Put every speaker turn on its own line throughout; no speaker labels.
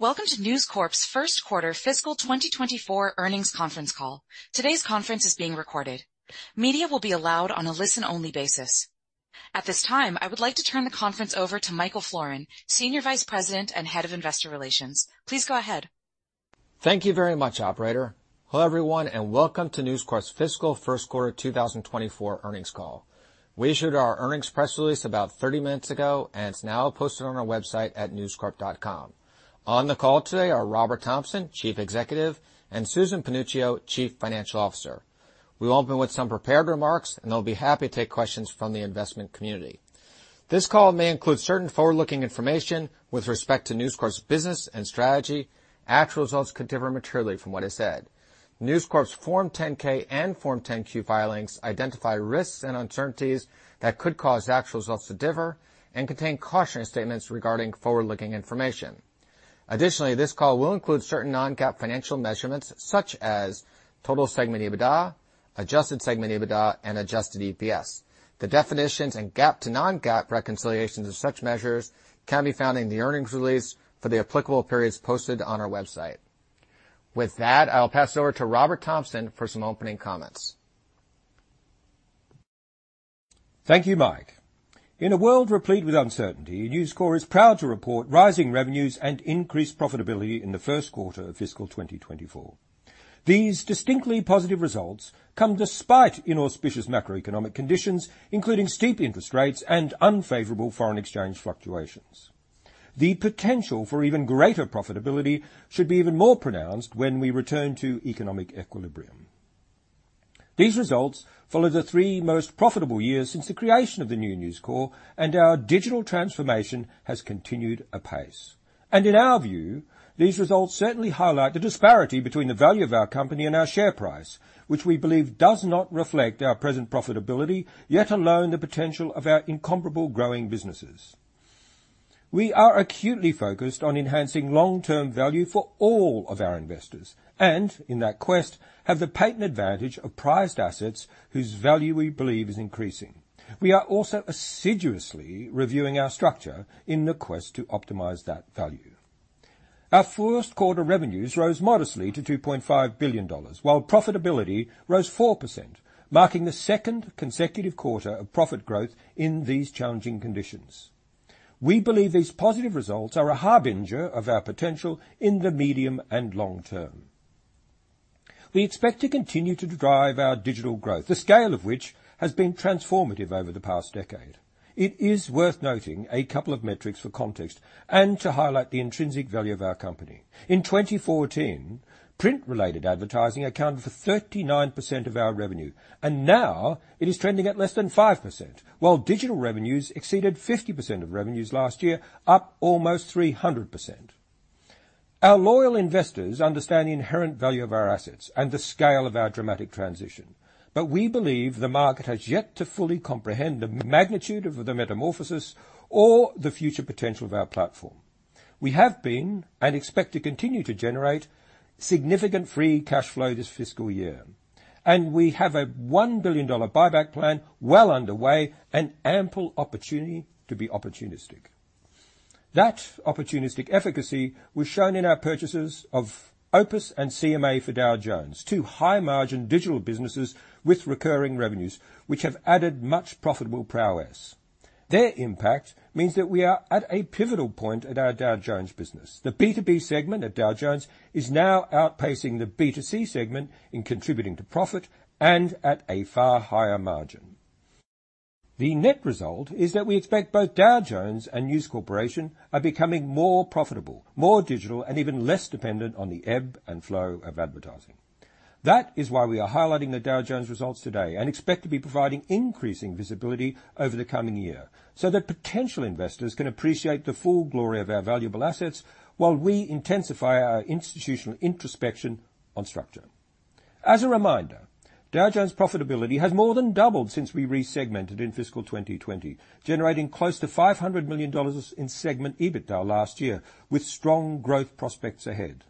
Welcome to News Corp's First Quarter Fiscal 2024 Earnings Conference Call. Today's conference is being recorded. Media will be allowed on a listen-only basis. At this time, I would like to turn the conference over to Michael Florin, Senior Vice President and Head of Investor Relations. Please go ahead.
Thank you very much, operator. Hello, everyone, and welcome to News Corp's Fiscal First Quarter 2024 Earnings Call. We issued our earnings press release about 30 minutes ago, and it's now posted on our website at newscorp.com. On the call today are Robert Thomson, Chief Executive, and Susan Panuccio, Chief Financial Officer. We'll open with some prepared remarks, and they'll be happy to take questions from the investment community. This call may include certain forward-looking information with respect to News Corp's business and strategy. Actual results could differ materially from what is said. News Corp's Form 10-K and Form 10-Q filings identify risks and uncertainties that could cause actual results to differ and contain cautionary statements regarding forward-looking information. Additionally, this call will include certain non-GAAP financial measurements such as total segment EBITDA, adjusted segment EBITDA, and adjusted EPS. The definitions and GAAP to non-GAAP reconciliations of such measures can be found in the earnings release for the applicable periods posted on our website. With that, I'll pass it over to Robert Thomson for some opening comments.
Thank you, Mike. In a world replete with uncertainty, News Corp is proud to report rising revenues and increased profitability in the first quarter of fiscal 2024. These distinctly positive results come despite inauspicious macroeconomic conditions, including steep interest rates and unfavorable foreign exchange fluctuations. The potential for even greater profitability should be even more pronounced when we return to economic equilibrium. These results follow the three most profitable years since the creation of the new News Corp, and our digital transformation has continued apace. In our view, these results certainly highlight the disparity between the value of our company and our share price, which we believe does not reflect our present profitability, yet alone the potential of our incomparable growing businesses. We are acutely focused on enhancing long-term value for all of our investors, and in that quest, have the patent advantage of prized assets whose value we believe is increasing. We are also assiduously reviewing our structure in the quest to optimize that value. Our first quarter revenues rose modestly to $2.5 billion, while profitability rose 4%, marking the second consecutive quarter of profit growth in these challenging conditions. We believe these positive results are a harbinger of our potential in the medium and long term. We expect to continue to drive our digital growth, the scale of which has been transformative over the past decade. It is worth noting a couple of metrics for context and to highlight the intrinsic value of our company. In 2014, print-related advertising accounted for 39% of our revenue, and now it is trending at less than 5%, while digital revenues exceeded 50% of revenues last year, up almost 300%. Our loyal investors understand the inherent value of our assets and the scale of our dramatic transition, but we believe the market has yet to fully comprehend the magnitude of the metamorphosis or the future potential of our platform. We have been, and expect to continue to generate, significant free cash flow this fiscal year, and we have a $1 billion buyback plan well underway and ample opportunity to be opportunistic. That opportunistic efficacy was shown in our purchases of OPIS and CMA for Dow Jones, two high-margin digital businesses with recurring revenues, which have added much profitable prowess. Their impact means that we are at a pivotal point at our Dow Jones business. The B2B segment at Dow Jones is now outpacing the B2C segment in contributing to profit and at a far higher margin. The net result is that we expect both Dow Jones and News Corporation are becoming more profitable, more digital, and even less dependent on the ebb and flow of advertising. That is why we are highlighting the Dow Jones results today and expect to be providing increasing visibility over the coming year, so that potential investors can appreciate the full glory of our valuable assets while we intensify our institutional introspection on structure. As a reminder, Dow Jones' profitability has more than doubled since we resegmented in fiscal 2020, generating close to $500 million in segment EBITDA last year, with strong growth prospects ahead.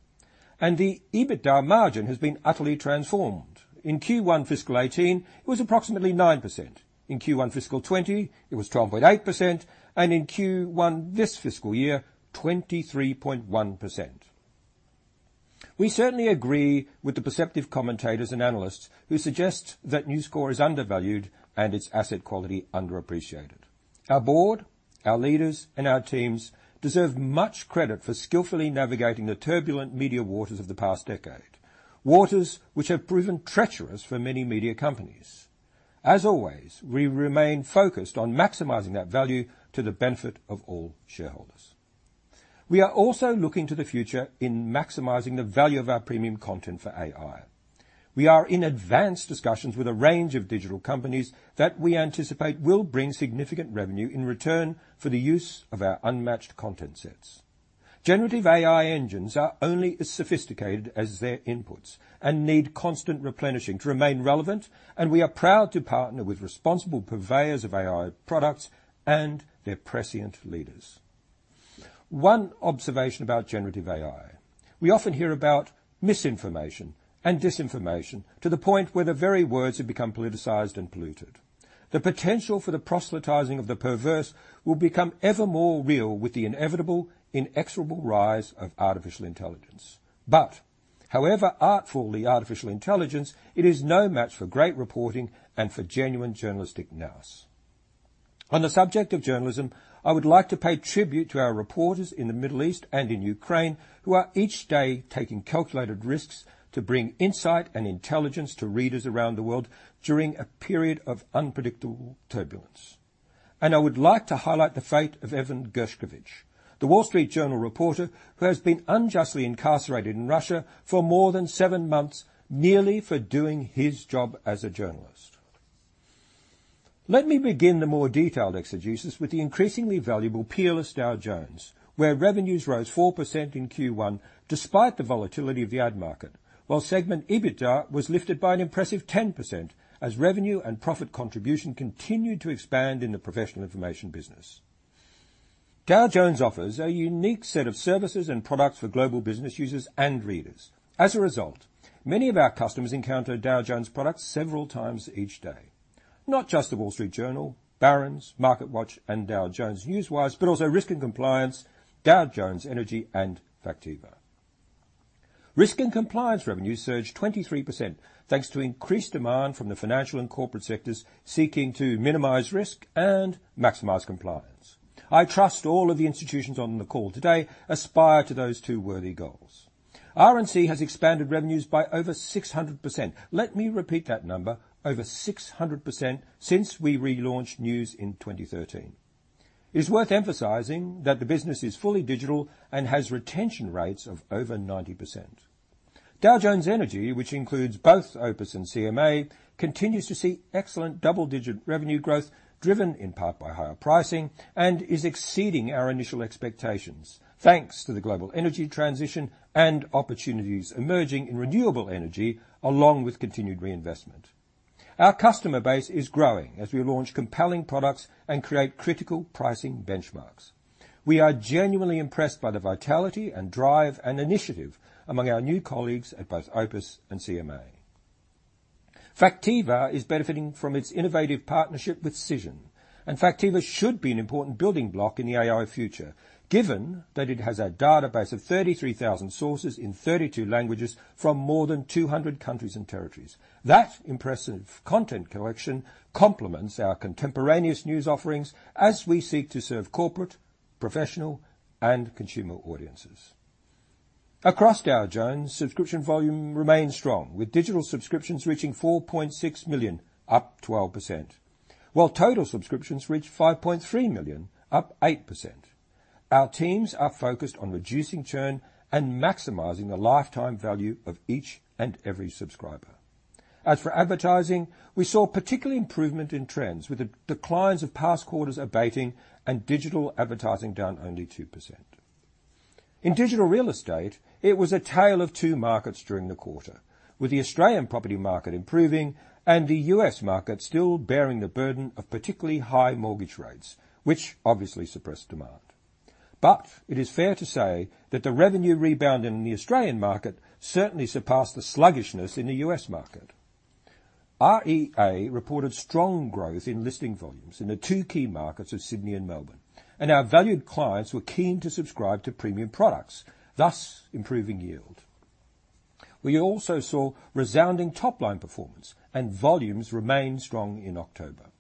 The EBITDA margin has been utterly transformed. In Q1 fiscal 2018, it was approximately 9%. In Q1 fiscal 2020, it was 12.8%, and in Q1 this fiscal year, 23.1%. We certainly agree with the perceptive commentators and analysts who suggest that News Corp is undervalued and its asset quality underappreciated. Our board, our leaders, and our teams deserve much credit for skillfully navigating the turbulent media waters of the past decade, waters which have proven treacherous for many media companies. As always, we remain focused on maximizing that value to the benefit of all shareholders. We are also looking to the future in maximizing the value of our premium content for AI. We are in advanced discussions with a range of digital companies that we anticipate will bring significant revenue in return for the use of our unmatched content sets. Generative AI engines are only as sophisticated as their inputs and need constant replenishing to remain relevant, and we are proud to partner with responsible purveyors of AI products and their prescient leaders. One observation about generative AI: We often hear about misinformation and disinformation to the point where the very words have become politicized and polluted. The potential for the proselytizing of the perverse will become ever more real with the inevitable, inexorable rise of artificial intelligence. But however artful the artificial intelligence, it is no match for great reporting and for genuine journalistic nous. On the subject of journalism, I would like to pay tribute to our reporters in the Middle East and in Ukraine, who are each day taking calculated risks to bring insight and intelligence to readers around the world during a period of unpredictable turbulence. I would like to highlight the fate of Evan Gershkovich, The Wall Street Journal reporter, who has been unjustly incarcerated in Russia for more than seven months, merely for doing his job as a journalist. Let me begin the more detailed exegesis with the increasingly valuable peerless Dow Jones, where revenues rose 4% in Q1 despite the volatility of the ad market, while segment EBITDA was lifted by an impressive 10%, as revenue and profit contribution continued to expand in the professional information business. Dow Jones offers a unique set of services and products for global business users and readers. As a result, many of our customers encounter Dow Jones products several times each day, not just The Wall Street Journal, Barron's, MarketWatch, and Dow Jones Newswires, but also Risk and Compliance, Dow Jones Energy, and Factiva. Risk and Compliance revenue surged 23% thanks to increased demand from the financial and corporate sectors seeking to minimize risk and maximize compliance. I trust all of the institutions on the call today aspire to those two worthy goals. R&C has expanded revenues by over 600%. Let me repeat that number, over 600% since we relaunched news in 2013. It's worth emphasizing that the business is fully digital and has retention rates of over 90%. Dow Jones Energy, which includes both OPIS and CMA, continues to see excellent double-digit revenue growth, driven in part by higher pricing, and is exceeding our initial expectations, thanks to the global energy transition and opportunities emerging in renewable energy, along with continued reinvestment. Our customer base is growing as we launch compelling products and create critical pricing benchmarks. We are genuinely impressed by the vitality, and drive, and initiative among our new colleagues at both OPIS and CMA. Factiva is benefiting from its innovative partnership with Cision, and Factiva should be an important building block in the AI future, given that it has a database of 33,000 sources in 32 languages from more than 200 countries and territories. That impressive content collection complements our contemporaneous news offerings as we seek to serve corporate, professional, and consumer audiences. Across Dow Jones, subscription volume remains strong, with digital subscriptions reaching 4.6 million, up 12%, while total subscriptions reach 5.3 million, up 8%. Our teams are focused on reducing churn and maximizing the lifetime value of each and every subscriber. As for advertising, we saw particular improvement in trends, with the declines of past quarters abating and digital advertising down only 2%. In digital real estate, it was a tale of two markets during the quarter, with the Australian property market improving and the U.S. market still bearing the burden of particularly high mortgage rates, which obviously suppressed demand. It is fair to say that the revenue rebound in the Australian market certainly surpassed the sluggishness in the U.S. market. REA reported strong growth in listing volumes in the two key markets of Sydney and Melbourne, and our valued clients were keen to subscribe to premium products, thus improving yield. We also saw resounding top-line performance, and volumes remained strong in October.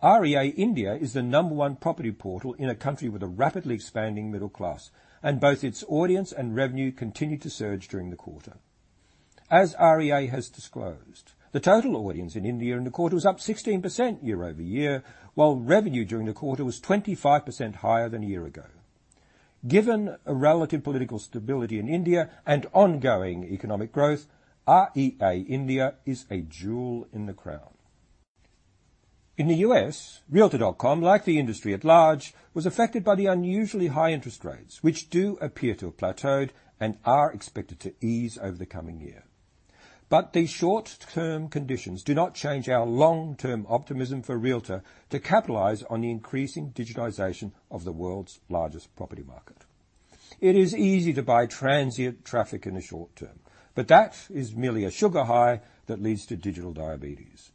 REA India is the number one property portal in a country with a rapidly expanding middle class, and both its audience and revenue continued to surge during the quarter. As REA has disclosed, the total audience in India in the quarter was up 16% year-over-year, while revenue during the quarter was 25% higher than a year ago. Given a relative political stability in India and ongoing economic growth, REA India is a jewel in the crown. In the U.S., Realtor.com, like the industry at large, was affected by the unusually high interest rates, which do appear to have plateaued and are expected to ease over the coming year. But these short-term conditions do not change our long-term optimism for Realtor.com to capitalize on the increasing digitization of the world's largest property market. It is easy to buy transient traffic in the short term, but that is merely a sugar high that leads to digital diabetes.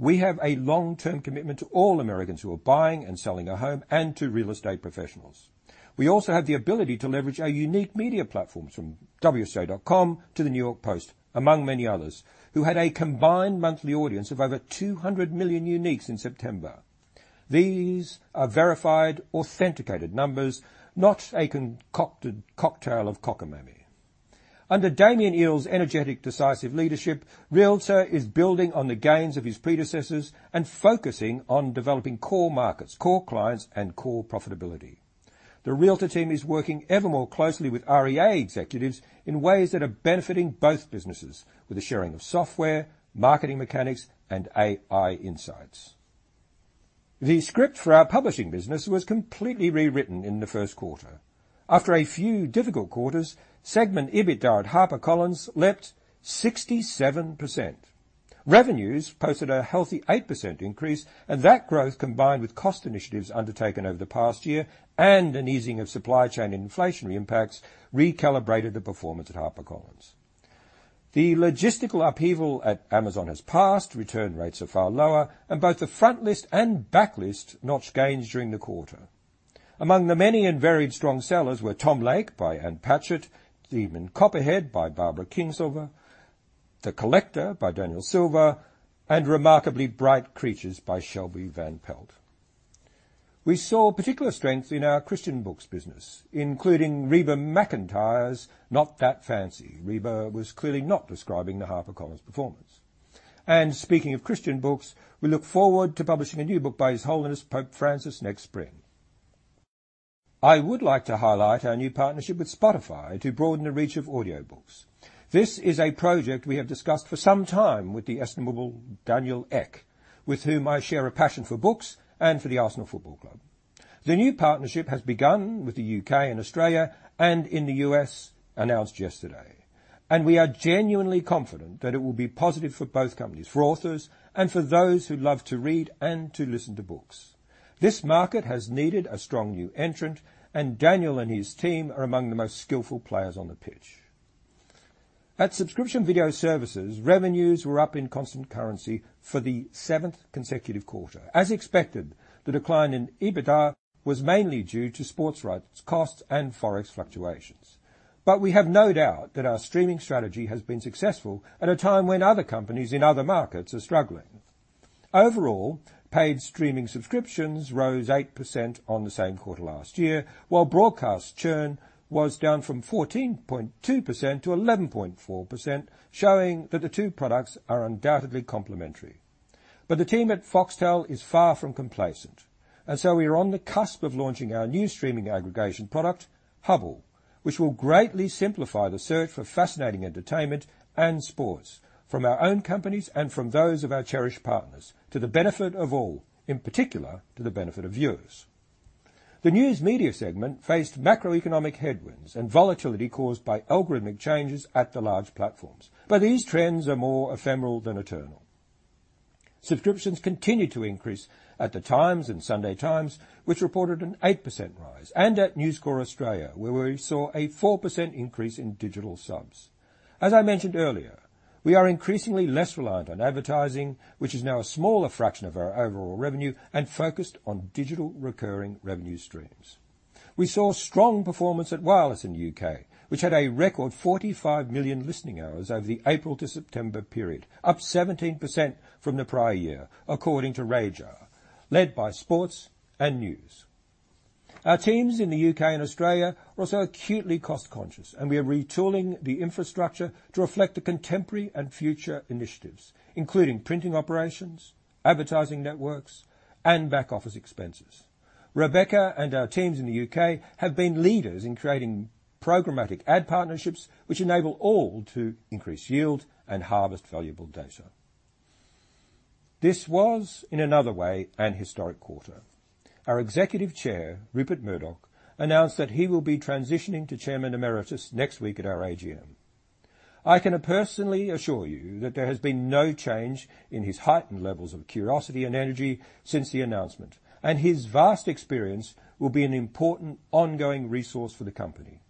We have a long-term commitment to all Americans who are buying and selling a home and to real estate professionals. We also have the ability to leverage our unique media platforms, from wsj.com to the New York Post, among many others, who had a combined monthly audience of over 200 million uniques in September. These are verified, authenticated numbers, not a concocted cocktail of cockamamie. Under Damian Eales' energetic, decisive leadership, Realtor is building on the gains of his predecessors and focusing on developing core markets, core clients, and core profitability. The Realtor team is working ever more closely with REA executives in ways that are benefiting both businesses with the sharing of software, marketing mechanics, and AI insights. The script for our publishing business was completely rewritten in the first quarter. After a few difficult quarters, segment EBITDA at HarperCollins leapt 67%. Revenues posted a healthy 8% increase, and that growth, combined with cost initiatives undertaken over the past year and an easing of supply chain inflationary impacts, recalibrated the performance at HarperCollins. The logistical upheaval at Amazon has passed, return rates are far lower, and both the frontlist and backlist notched gains during the quarter. Among the many and varied strong sellers were Tom Lake by Anne Patchett, Demon Copperhead by Barbara Kingsolver, The Collector by Daniel Silva, and Remarkably Bright Creatures by Shelby Van Pelt. We saw particular strength in our Christian books business, including Reba McEntire's Not That Fancy. Reba was clearly not describing the HarperCollins performance. And speaking of Christian books, we look forward to publishing a new book by His Holiness Pope Francis next spring. I would like to highlight our new partnership with Spotify to broaden the reach of audiobooks. This is a project we have discussed for some time with the estimable Daniel Ek, with whom I share a passion for books and for the Arsenal Football Club. The new partnership has begun with the U.K. and Australia, and in the U.S., announced yesterday, and we are genuinely confident that it will be positive for both companies, for authors, and for those who love to read and to listen to books. This market has needed a strong new entrant, and Daniel and his team are among the most skillful players on the pitch. At Subscription Video Services, revenues were up in constant currency for the seventh consecutive quarter. As expected, the decline in EBITDA was mainly due to sports rights costs and Forex fluctuations. But we have no doubt that our streaming strategy has been successful at a time when other companies in other markets are struggling. Overall, paid streaming subscriptions rose 8% on the same quarter last year, while broadcast churn was down from 14.2% to 11.4%, showing that the two products are undoubtedly complementary. But the team at Foxtel is far from complacent, and so we are on the cusp of launching our new streaming aggregation product, Hubbl, which will greatly simplify the search for fascinating entertainment and sports from our own companies and from those of our cherished partners, to the benefit of all, in particular, to the benefit of viewers. The News Media segment faced macroeconomic headwinds and volatility caused by algorithmic changes at the large platforms, but these trends are more ephemeral than eternal. Subscriptions continued to increase at The Times and The Sunday Times, which reported an 8% rise, and at News Corp Australia, where we saw a 4% increase in digital subs. As I mentioned earlier, we are increasingly less reliant on advertising, which is now a smaller fraction of our overall revenue and focused on digital recurring revenue streams. We saw strong performance at Wireless in the U.K., which had a record 45 million listening hours over the April to September period, up 17% from the prior year, according to RAJAR, led by sports and news. Our teams in the U.K. and Australia are also acutely cost-conscious, and we are retooling the infrastructure to reflect the contemporary and future initiatives, including printing operations, advertising networks, and back-office expenses. Rebecca and our teams in the U.K. have been leaders in creating programmatic ad partnerships, which enable all to increase yield and harvest valuable data. This was, in another way, an historic quarter. Our Executive Chair, Rupert Murdoch, announced that he will be transitioning to Chairman Emeritus next week at our AGM. I can personally assure you that there has been no change in his heightened levels of curiosity and energy since the announcement, and his vast experience will be an important ongoing resource for the company.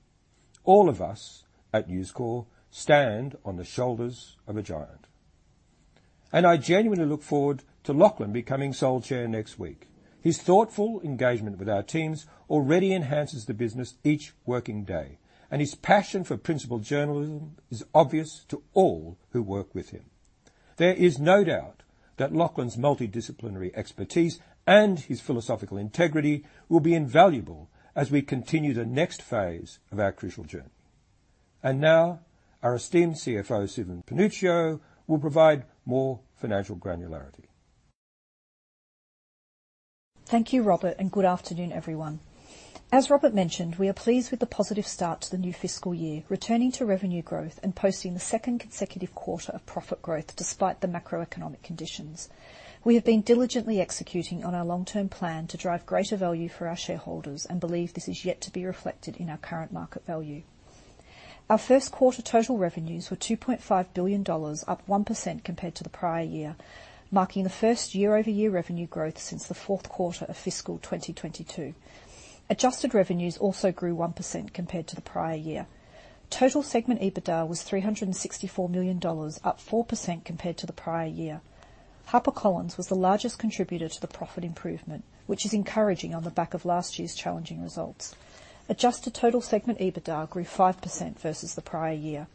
All of us at News Corp stand on the shoulders of a giant, and I genuinely look forward to Lachlan becoming Sole Chair next week. His thoughtful engagement with our teams already enhances the business each working day, and his passion for principled journalism is obvious to all who work with him. There is no doubt that Lachlan's multidisciplinary expertise and his philosophical integrity will be invaluable as we continue the next phase of our crucial journey. Now our esteemed CFO, Susan Panuccio, will provide more financial granularity.
Thank you, Robert, and good afternoon, everyone. As Robert mentioned, we are pleased with the positive start to the new fiscal year, returning to revenue growth and posting the second consecutive quarter of profit growth despite the macroeconomic conditions. We have been diligently executing on our long-term plan to drive greater value for our shareholders and believe this is yet to be reflected in our current market value. Our first quarter total revenues were $2.5 billion, up 1% compared to the prior year, marking the first year-over-year revenue growth since the fourth quarter of fiscal 2022. Adjusted revenues also grew 1% compared to the prior year. Total segment EBITDA was $364 million, up 4% compared to the prior year. HarperCollins was the largest contributor to the profit improvement, which is encouraging on the back of last year's challenging results. Adjusted total segment EBITDA grew 5% versus the prior year.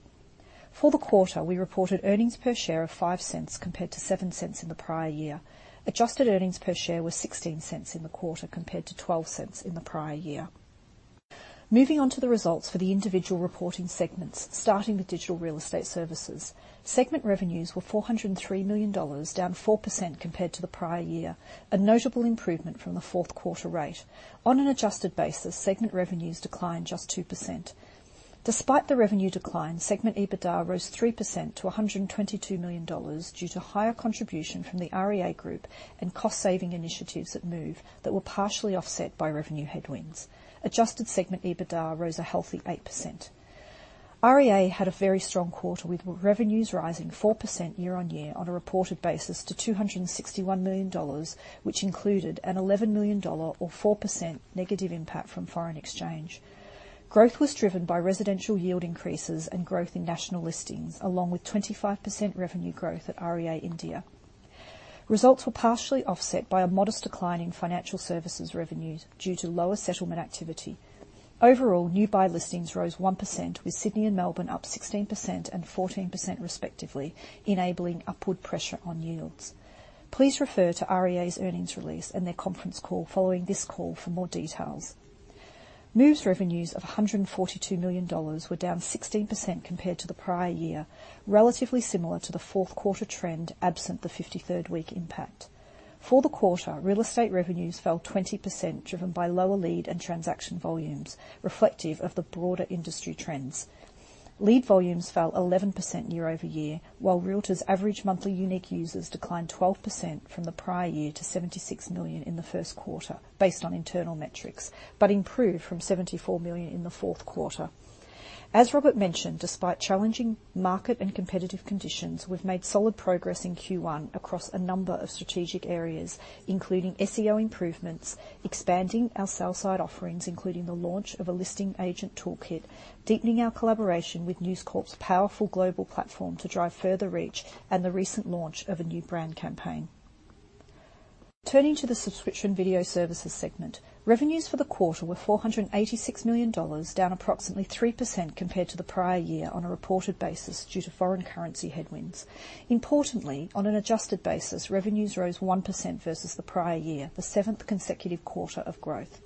For the quarter, we reported earnings per share of $0.05, compared to $0.07 in the prior year. Adjusted earnings per share were $0.16 in the quarter, compared to $0.12 in the prior year. Moving on to the results for the individual reporting segments, starting with Digital Real Estate Services. Segment revenues were $403 million, down 4% compared to the prior year, a notable improvement from the fourth quarter rate. On an adjusted basis, segment revenues declined just 2%. Despite the revenue decline, segment EBITDA rose 3% to $122 million due to higher contribution from the REA Group and cost-saving initiatives at Move that were partially offset by revenue headwinds. Adjusted segment EBITDA rose a healthy 8%. REA had a very strong quarter, with revenues rising 4% year-over-year on a reported basis to $261 million, which included an $11 million or 4% negative impact from foreign exchange. Growth was driven by residential yield increases and growth in national listings, along with 25% revenue growth at REA India. Results were partially offset by a modest decline in financial services revenues due to lower settlement activity. Overall, new buy listings rose 1%, with Sydney and Melbourne up 16% and 14%, respectively, enabling upward pressure on yields. Please refer to REA's earnings release and their conference call following this call for more details. Move's revenues of $142 million were down 16% compared to the prior year, relatively similar to the fourth quarter trend, absent the 53rd week impact. For the quarter, real estate revenues fell 20%, driven by lower lead and transaction volumes, reflective of the broader industry trends. Lead volumes fell 11% year-over-year, while Realtor's average monthly unique users declined 12% from the prior year to 76 million in the first quarter, based on internal metrics, but improved from 74 million in the fourth quarter. As Robert mentioned, despite challenging market and competitive conditions, we've made solid progress in Q1 across a number of strategic areas, including SEO improvements, expanding our sell side offerings, including the launch of a listing agent toolkit, deepening our collaboration with News Corp's powerful global platform to drive further reach, and the recent launch of a new brand campaign. Turning to the subscription video services segment. Revenues for the quarter were $486 million, down approximately 3% compared to the prior year on a reported basis due to foreign currency headwinds. Importantly, on an adjusted basis, revenues rose 1% versus the prior year, the 7th consecutive quarter of growth.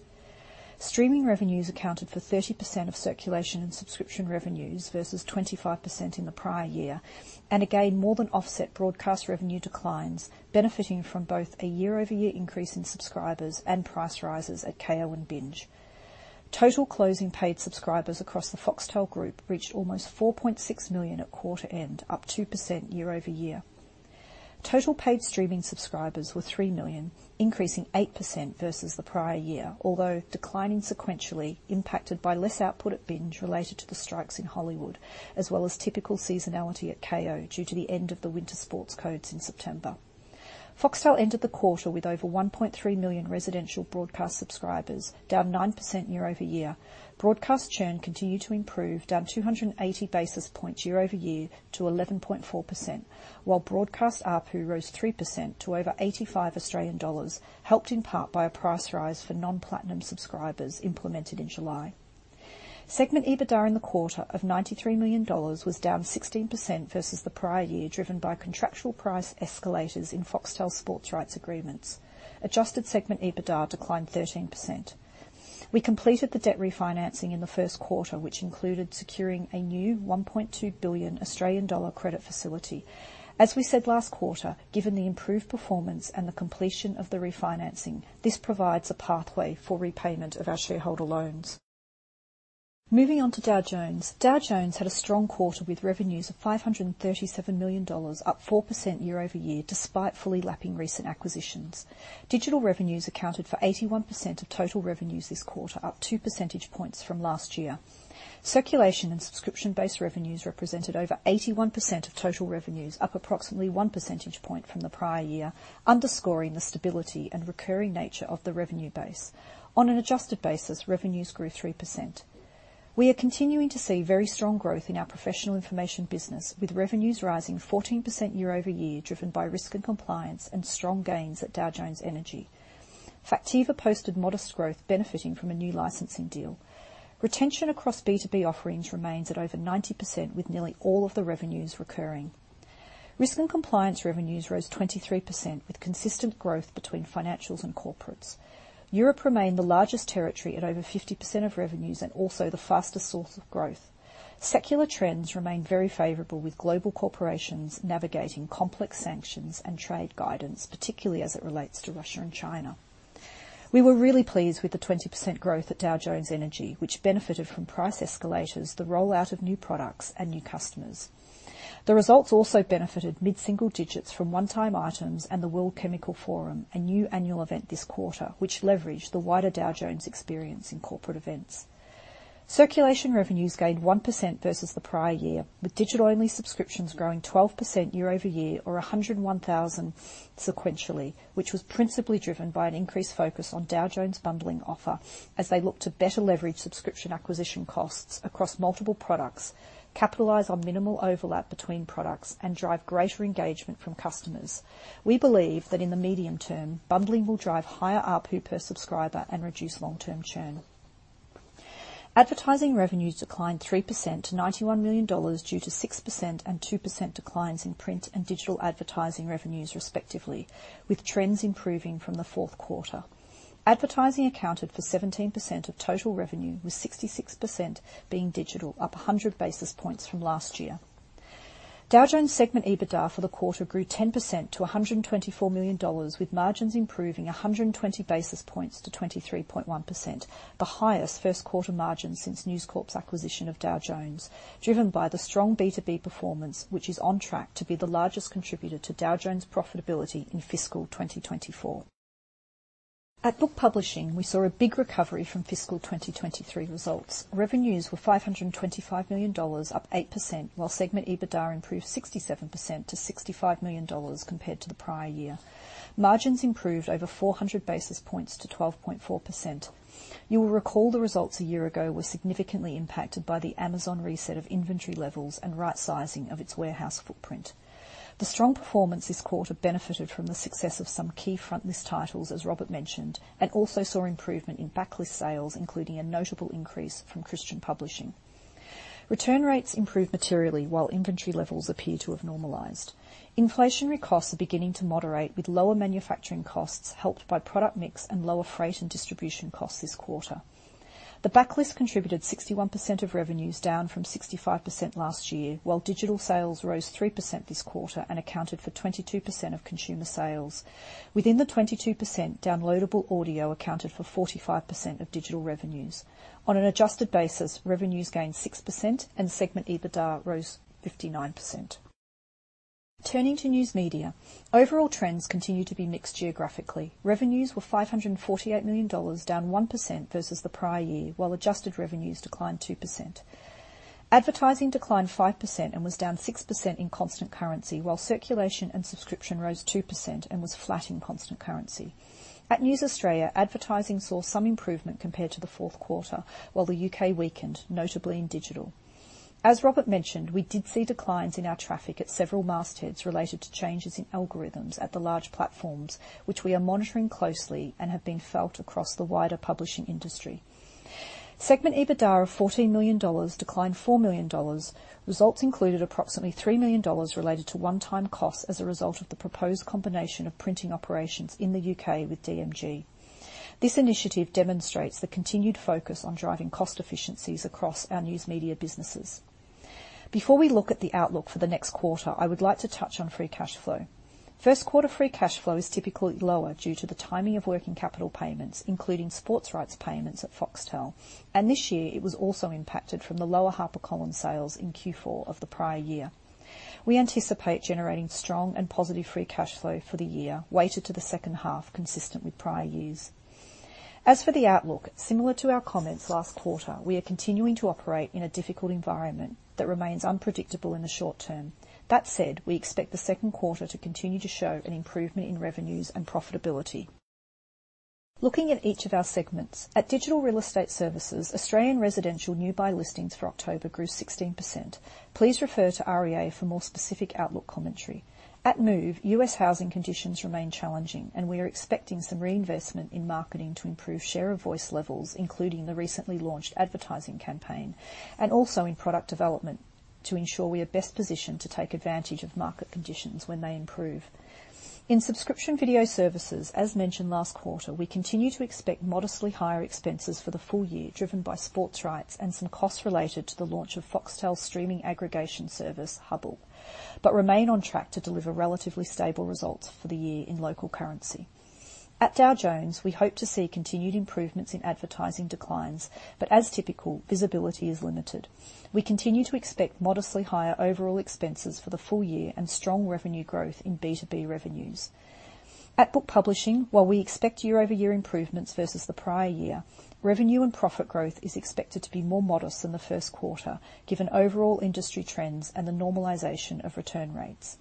Streaming revenues accounted for 30% of circulation and subscription revenues, versus 25% in the prior year, and again, more than offset broadcast revenue declines, benefiting from both a year-over-year increase in subscribers and price rises at Kayo and BINGE. Total closing paid subscribers across the Foxtel group reached almost 4.6 million at quarter end, up 2% year-over-year. Total paid streaming subscribers were 3 million, increasing 8% versus the prior year, although declining sequentially, impacted by less output at BINGE related to the strikes in Hollywood, as well as typical seasonality at Kayo due to the end of the winter sports codes in September. Foxtel ended the quarter with over 1.3 million residential broadcast subscribers, down 9% year-over-year. Broadcast churn continued to improve, down 280 basis points year-over-year to 11.4%, while broadcast ARPU rose 3% to over 85 Australian dollars, helped in part by a price rise for non-platinum subscribers implemented in July. Segment EBITDA in the quarter of $93 million was down 16% versus the prior year, driven by contractual price escalators in Foxtel sports rights agreements. Adjusted segment EBITDA declined 13%. We completed the debt refinancing in the first quarter, which included securing a new 1.2 billion Australian dollar credit facility. As we said last quarter, given the improved performance and the completion of the refinancing, this provides a pathway for repayment of our shareholder loans. Moving on to Dow Jones. Dow Jones had a strong quarter with revenues of $537 million, up 4% year-over-year, despite fully lapping recent acquisitions. Digital revenues accounted for 81% of total revenues this quarter, up two percentage points from last year. Circulation and subscription-based revenues represented over 81% of total revenues, up approximately one percentage point from the prior year, underscoring the stability and recurring nature of the revenue base. On an adjusted basis, revenues grew 3%. We are continuing to see very strong growth in our professional information business, with revenues rising 14% year-over-year, driven by Risk and Compliance and strong gains at Dow Jones Energy. Factiva posted modest growth, benefiting from a new licensing deal. Retention across B2B offerings remains at over 90%, with nearly all of the revenues recurring. Risk and Compliance revenues rose 23%, with consistent growth between financials and corporates. Europe remained the largest territory at over 50% of revenues and also the fastest source of growth. Secular trends remain very favorable, with global corporations navigating complex sanctions and trade guidance, particularly as it relates to Russia and China. We were really pleased with the 20% growth at Dow Jones Energy, which benefited from price escalators, the rollout of new products, and new customers. The results also benefited mid-single digits from one-time items and the World Chemical Forum, a new annual event this quarter, which leveraged the wider Dow Jones experience in corporate events. Circulation revenues gained 1% versus the prior year, with digital-only subscriptions growing 12% year-over-year or 101,000 sequentially, which was principally driven by an increased focus on Dow Jones's bundling offer as they look to better leverage subscription acquisition costs across multiple products, capitalize on minimal overlap between products, and drive greater engagement from customers. We believe that in the medium term, bundling will drive higher ARPU per subscriber and reduce long-term churn. Advertising revenues declined 3% to $91 million, due to 6% and 2% declines in print and digital advertising revenues, respectively, with trends improving from the fourth quarter. Advertising accounted for 17% of total revenue, with 66% being digital, up 100 basis points from last year. Dow Jones segment EBITDA for the quarter grew 10% to $124 million, with margins improving 120 basis points to 23.1%, the highest first quarter margin since News Corp's acquisition of Dow Jones, driven by the strong B2B performance, which is on track to be the largest contributor to Dow Jones' profitability in fiscal 2024. At Book Publishing, we saw a big recovery from fiscal 2023 results. Revenues were $525 million, up 8%, while segment EBITDA improved 67% to $65 million compared to the prior year. Margins improved over 400 basis points to 12.4%. You will recall the results a year ago were significantly impacted by the Amazon reset of inventory levels and right sizing of its warehouse footprint. The strong performance this quarter benefited from the success of some key frontlist titles, as Robert mentioned, and also saw improvement in backlist sales, including a notable increase from Christian Publishing. Return rates improved materially, while inventory levels appear to have normalized. Inflationary costs are beginning to moderate, with lower manufacturing costs helped by product mix and lower freight and distribution costs this quarter. The backlist contributed 61% of revenues, down from 65% last year, while digital sales rose 3% this quarter and accounted for 22% of consumer sales. Within the 22%, downloadable audio accounted for 45% of digital revenues. On an adjusted basis, revenues gained 6% and segment EBITDA rose 59%. Turning to News Media, overall trends continue to be mixed geographically. Revenues were $548 million, down 1% versus the prior year, while adjusted revenues declined 2%. Advertising declined 5% and was down 6% in constant currency, while circulation and subscription rose 2% and was flat in constant currency. At News Australia, advertising saw some improvement compared to the fourth quarter, while the U.K. weakened, notably in digital. As Robert mentioned, we did see declines in our traffic at several mastheads related to changes in algorithms at the large platforms, which we are monitoring closely and have been felt across the wider publishing industry. Segment EBITDA of $14 million declined $4 million. Results included approximately $3 million related to one-time costs as a result of the proposed combination of printing operations in the U.K. with DMG. This initiative demonstrates the continued focus on driving cost efficiencies across our news media businesses. Before we look at the outlook for the next quarter, I would like to touch on free cash flow. First quarter free cash flow is typically lower due to the timing of working capital payments, including sports rights payments at Foxtel, and this year it was also impacted from the lower HarperCollins sales in Q4 of the prior year. We anticipate generating strong and positive free cash flow for the year, weighted to the second half, consistent with prior years. As for the outlook, similar to our comments last quarter, we are continuing to operate in a difficult environment that remains unpredictable in the short term. That said, we expect the second quarter to continue to show an improvement in revenues and profitability. Looking at each of our segments, at Digital Real Estate Services, Australian residential new buy listings for October grew 16%. Please refer to REA for more specific outlook commentary. At Move, U.S. housing conditions remain challenging, and we are expecting some reinvestment in marketing to improve share of voice levels, including the recently launched advertising campaign, and also in product development to ensure we are best positioned to take advantage of market conditions when they improve. In subscription video services, as mentioned last quarter, we continue to expect modestly higher expenses for the full year, driven by sports rights and some costs related to the launch of Foxtel's streaming aggregation service, Hubbl, but remain on track to deliver relatively stable results for the year in local currency. At Dow Jones, we hope to see continued improvements in advertising declines, but as typical, visibility is limited. We continue to expect modestly higher overall expenses for the full year and strong revenue growth in B2B revenues. At Book Publishing, while we expect year-over-year improvements versus the prior year, revenue and profit growth is expected to be more modest than the first quarter, given overall industry trends and the normalization of return rates.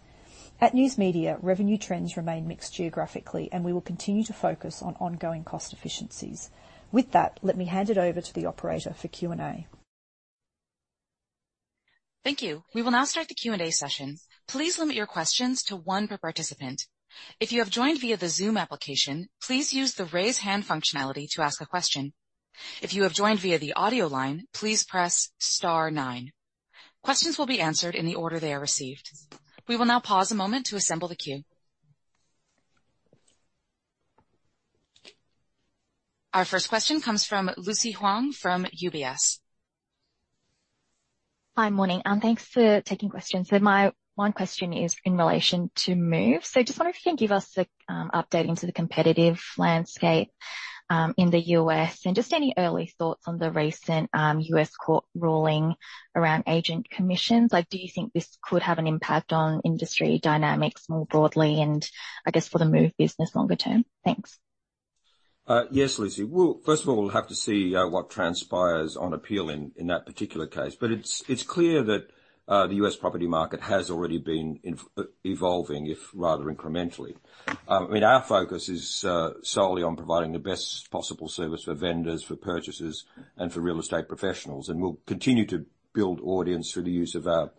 At News Media, revenue trends remain mixed geographically, and we will continue to focus on ongoing cost efficiencies. With that, let me hand it over to the operator for Q&A.
Thank you. We will now start the Q&A session. Please limit your questions to one per participant. If you have joined via the Zoom application, please use the raise hand functionality to ask a question. If you have joined via the audio line, please press star nine. Questions will be answered in the order they are received. We will now pause a moment to assemble the queue. Our first question comes from Lucy Huang from UBS.
Hi, morning, and thanks for taking questions. So my one question is in relation to Move. So just wonder if you can give us a update into the competitive landscape in the U.S., and just any early thoughts on the recent U.S. court ruling around agent commissions. Like, do you think this could have an impact on industry dynamics more broadly and I guess, for the Move business longer term? Thanks.
Yes, Lucy. Well, first of all, we'll have to see what transpires on appeal in that particular case. But it's clear that the U.S. property market has already been evolving, if rather incrementally. I mean, our focus is solely on providing the best possible service for vendors, for purchasers, and for real estate professionals, and we'll continue to build audience through the use of our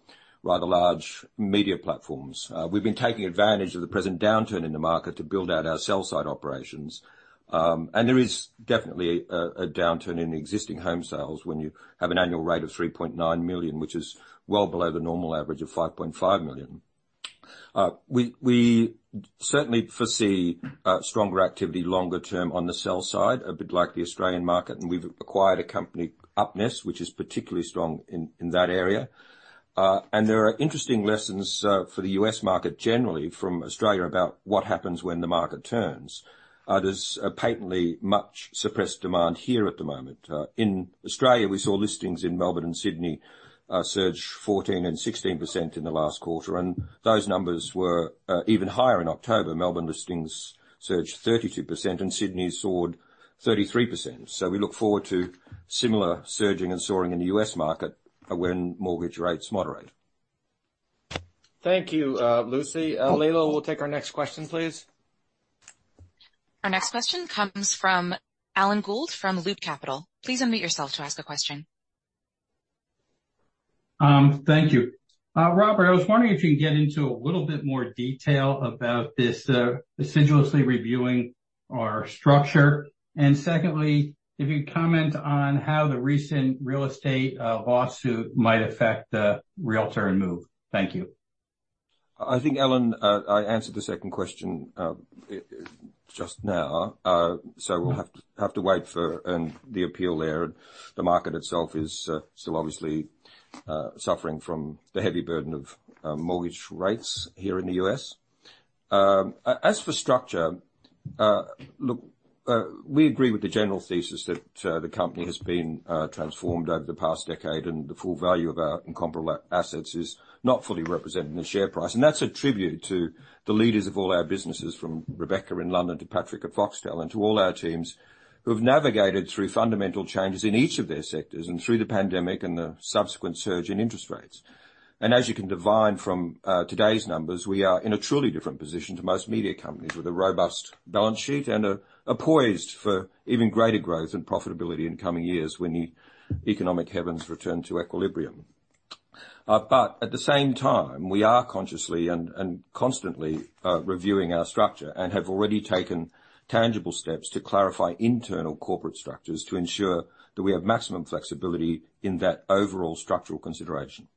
rather large media platforms. We've been taking advantage of the present downturn in the market to build out our sell-side operations. And there is definitely a downturn in existing home sales when you have an annual rate of 3.9 million, which is well below the normal average of 5.5 million. We certainly foresee stronger activity longer term on the sell side, a bit like the Australian market, and we've acquired a company, UpNest, which is particularly strong in, in that area. And there are interesting lessons for the U.S. market generally from Australia about what happens when the market turns. There's a patently much suppressed demand here at the moment. In Australia, we saw listings in Melbourne and Sydney surge 14% and 16% in the last quarter, and those numbers were even higher in October. Melbourne listings surged 32% and Sydney soared 33%. So we look forward to similar surging and soaring in the U.S. market when mortgage rates moderate.
Thank you, Lucy. Laila, we'll take our next question, please.
Our next question comes from Alan Gould from Loop Capital. Please unmute yourself to ask a question.
Thank you. Robert, I was wondering if you could get into a little bit more detail about this, assiduously reviewing our structure. And secondly, if you'd comment on how the recent real estate lawsuit might affect the Realtor.com and Move. Thank you.
I think, Alan, I answered the second question just now. So we'll have to wait for the appeal there. The market itself is still obviously suffering from the heavy burden of mortgage rates here in the U.S.. As for structure, look, we agree with the general thesis that the company has been transformed over the past decade, and the full value of our incomparable assets is not fully represented in the share price. That's a tribute to the leaders of all our businesses, from Rebecca in London to Patrick at Foxtel, and to all our teams who have navigated through fundamental changes in each of their sectors and through the pandemic and the subsequent surge in interest rates. As you can divine from today's numbers, we are in a truly different position to most media companies, with a robust balance sheet and are poised for even greater growth and profitability in coming years when the economic heavens return to equilibrium. At the same time, we are consciously and constantly reviewing our structure and have already taken tangible steps to clarify internal corporate structures to ensure that we have maximum flexibility in that overall structural consideration.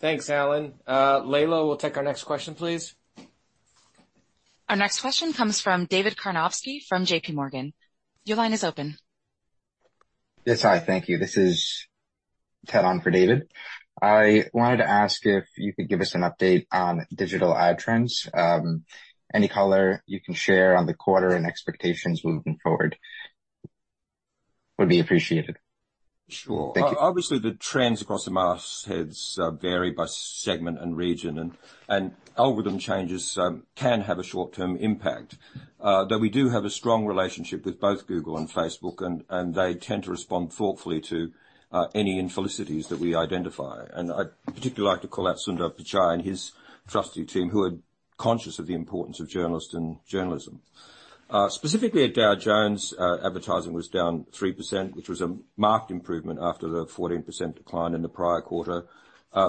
Thanks, Alan. Layla, we'll take our next question, please.
Our next question comes from David Karnovsky from JP Morgan. Your line is open.
Yes, hi. Thank you. This is Ted on for David. I wanted to ask if you could give us an update on digital ad trends. Any color you can share on the quarter and expectations moving forward would be appreciated.
Sure.
Thank you.
Obviously, the trends across the mastheads vary by segment and region, and algorithm changes can have a short-term impact. Though we do have a strong relationship with both Google and Facebook, and they tend to respond thoughtfully to any infelicities that we identify. I'd particularly like to call out Sundar Pichai and his trusted team, who are conscious of the importance of journalists and journalism. Specifically at Dow Jones, advertising was down 3%, which was a marked improvement after the 14% decline in the prior quarter.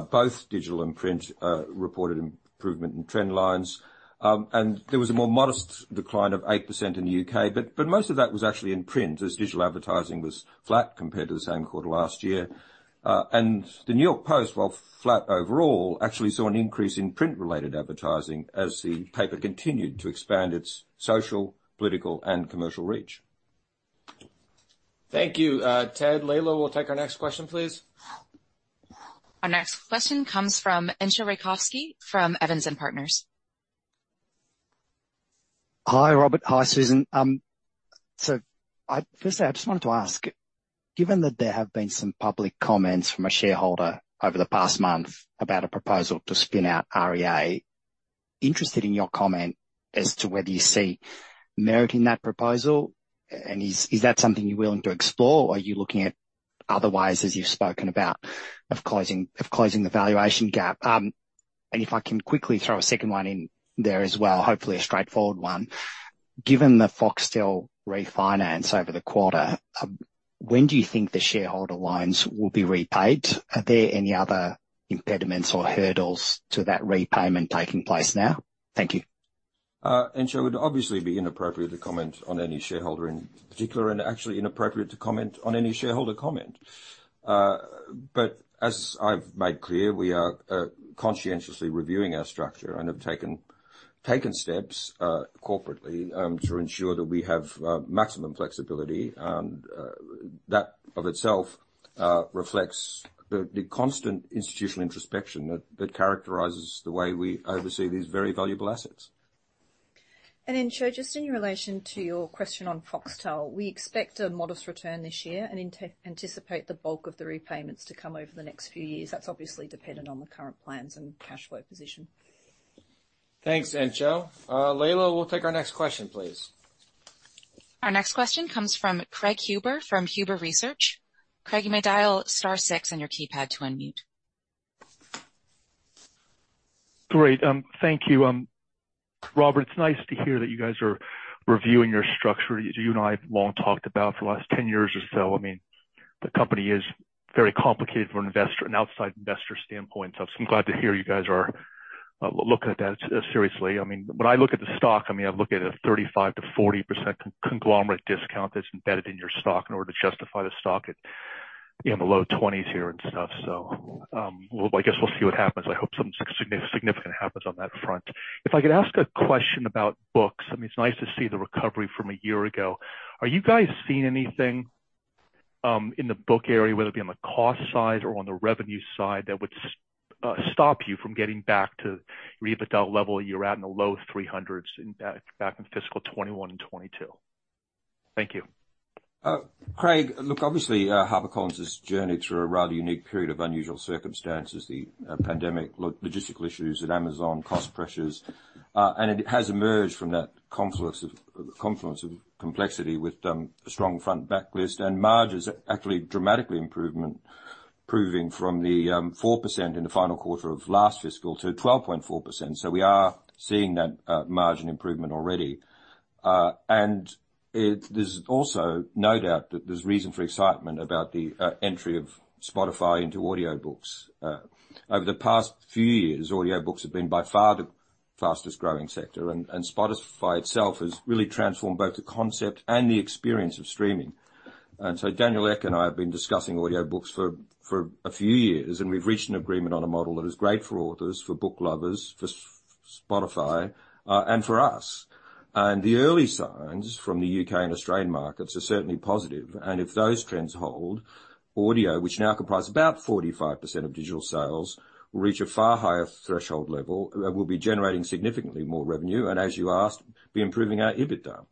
Both digital and print reported improvement in trend lines. And there was a more modest decline of 8% in the U.K., but most of that was actually in print, as digital advertising was flat compared to the same quarter last year. The New York Post, while flat overall, actually saw an increase in print-related advertising as the paper continued to expand its social, political, and commercial reach.
Thank you, Ted. Layla, we'll take our next question, please.
Our next question comes from Entcho Raykovski from Evans & Partners.
Hi, Robert. Hi, Susan. So I, firstly, I just wanted to ask, given that there have been some public comments from a shareholder over the past month about a proposal to spin out REA, interested in your comment as to whether you see merit in that proposal, and is, is that something you're willing to explore, or are you looking at other ways, as you've spoken about, of closing, of closing the valuation gap? And if I can quickly throw a second one in there as well, hopefully a straightforward one. Given the Foxtel refinance over the quarter, when do you think the shareholder loans will be repaid? Are there any other impediments or hurdles to that repayment taking place now? Thank you.
Entcho, it would obviously be inappropriate to comment on any shareholder in particular, and actually inappropriate to comment on any shareholder comment. But as I've made clear, we are conscientiously reviewing our structure and have taken steps corporately to ensure that we have maximum flexibility. That, of itself, reflects the constant institutional introspection that characterizes the way we oversee these very valuable assets.
Entcho, just in relation to your question on Foxtel, we expect a modest return this year and anticipate the bulk of the repayments to come over the next few years. That's obviously dependent on the current plans and cash flow position.
Thanks, Entcho. Layla, we'll take our next question, please.
Our next question comes from Craig Huber from Huber Research. Craig, you may dial star six on your keypad to unmute.
Great. Thank you. Robert, it's nice to hear that you guys are reviewing your structure. You and I have long talked about for the last 10 years or so. I mean, the company is very complicated for an investor, an outside investor standpoint, so I'm glad to hear you guys are looking at that seriously. I mean, when I look at the stock, I mean, I look at a 35%-40% conglomerate discount that's embedded in your stock in order to justify the stock at, in the low 20s here and stuff. So, well, I guess we'll see what happens. I hope something significant happens on that front. If I could ask a question about books, I mean, it's nice to see the recovery from a year ago. Are you guys seeing anything in the book area, whether it be on the cost side or on the revenue side, that would stop you from getting back to pre-COVID level you're at in the low 300s back in fiscal 2021 and 2022? Thank you.
Craig, look, obviously, HarperCollins' journey through a rather unique period of unusual circumstances, the pandemic, logistical issues at Amazon, cost pressures, and it has emerged from that confluence of complexity with a strong front backlist, and margin is actually dramatically improving from the four percent in the final quarter of last fiscal to 12.4%. So we are seeing that margin improvement already. And it, there's also no doubt that there's reason for excitement about the entry of Spotify into audiobooks. Over the past few years, audiobooks have been by far the fastest growing sector, and Spotify itself has really transformed both the concept and the experience of streaming. And so Daniel Ek and I have been discussing audiobooks for a few years, and we've reached an agreement on a model that is great for authors, for book lovers, for Spotify, and for us. And the early signs from the U.K. and Australian markets are certainly positive, and if those trends hold, audio, which now comprise about 45% of digital sales, will reach a far higher threshold level, will be generating significantly more revenue, and as you asked, be improving our EBITDA.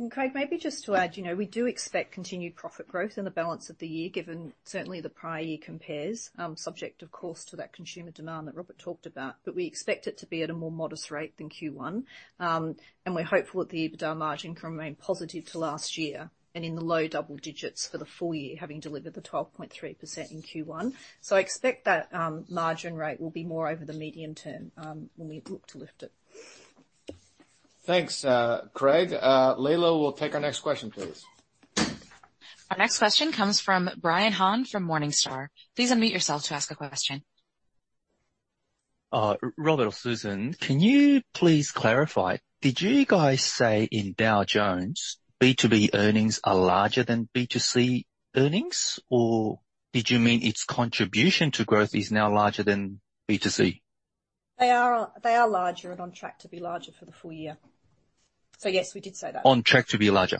And Craig, maybe just to add, you know, we do expect continued profit growth in the balance of the year, given certainly the prior year compares, subject of course, to that consumer demand that Robert talked about. But we expect it to be at a more modest rate than Q1. And we're hopeful that the EBITDA margin can remain positive to last year and in the low double digits for the full year, having delivered the 12.3% in Q1. So I expect that, margin rate will be more over the medium term, when we look to lift it.
Thanks, Craig. Layla, we'll take our next question, please.
Our next question comes from Brian Han from Morningstar. Please unmute yourself to ask a question.
Robert or Susan, can you please clarify, did you guys say in Dow Jones, B2B earnings are larger than B2C earnings? Or did you mean its contribution to growth is now larger than B2C?
They are, they are larger and on track to be larger for the full year. So yes, we did say that.
On track to be larger?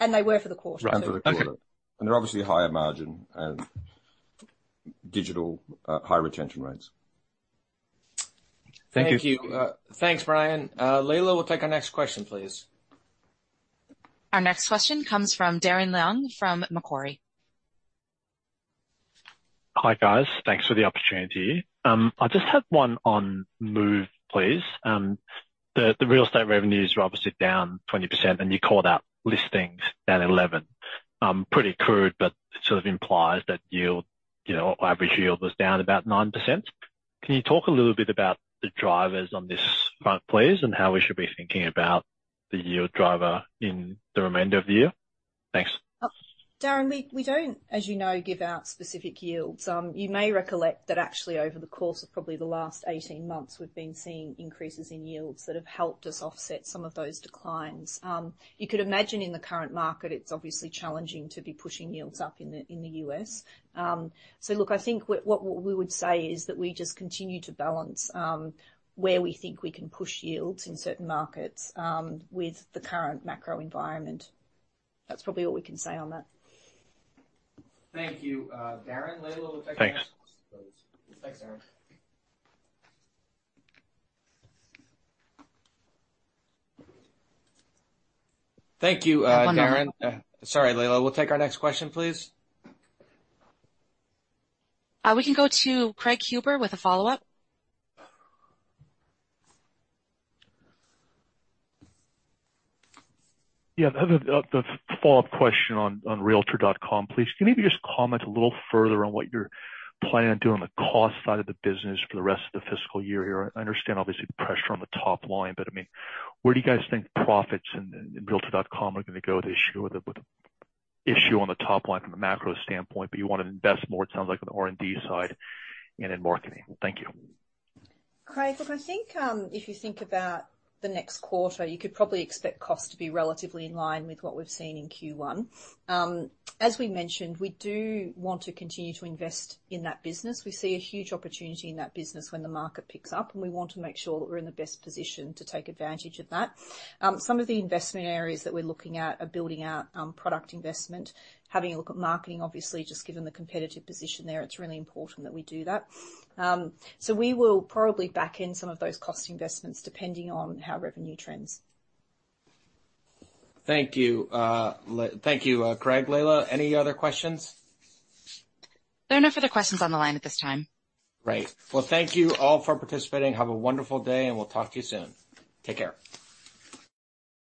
They were for the quarter.
For the quarter.
Okay.
They're obviously higher margin and digital, high retention rates.
Thank you.
Thank you. Thanks, Brian. Layla, we'll take our next question, please.
Our next question comes from Darren Leung from Macquarie.
Hi, guys. Thanks for the opportunity. I just had one on Move, please. The real estate revenues were obviously down 20%, and you called out listings down 11%. Pretty crude, but it sort of implies that yield, you know, average yield was down about 9%. Can you talk a little bit about the drivers on this front, please, and how we should be thinking about the yield driver in the remainder of the year? Thanks.
Oh, Darren, we don't, as you know, give out specific yields. You may recollect that actually, over the course of probably the last 18 months, we've been seeing increases in yields that have helped us offset some of those declines. You could imagine in the current market, it's obviously challenging to be pushing yields up in the U.S. So look, I think what we would say is that we just continue to balance where we think we can push yields in certain markets with the current macro environment. That's probably all we can say on that.
Thank you, Darren. Layla, we'll take our next.
Thanks.
Thanks, Darren. Thank you, Darren.
One more.
Sorry, Layla. We'll take our next question, please.
We can go to Craig Huber with a follow-up.
Yeah, the follow-up question on Realtor.com, please. Can you maybe just comment a little further on what you're planning on doing on the cost side of the business for the rest of the fiscal year here? I understand obviously the pressure on the top line, but, I mean, where do you guys think profits and Realtor.com are going to go with the issue on the top line from a macro standpoint, but you want to invest more, it sounds like, on the R&D side and in marketing. Thank you.
Craig, look, I think, if you think about the next quarter, you could probably expect costs to be relatively in line with what we've seen in Q1. As we mentioned, we do want to continue to invest in that business. We see a huge opportunity in that business when the market picks up, and we want to make sure that we're in the best position to take advantage of that. Some of the investment areas that we're looking at are building out, product investment, having a look at marketing. Obviously, just given the competitive position there, it's really important that we do that. So we will probably back in some of those cost investments depending on how revenue trends.
Thank you, Craig. Layla, any other questions?
There are no further questions on the line at this time.
Great. Well, thank you all for participating. Have a wonderful day, and we'll talk to you soon. Take care.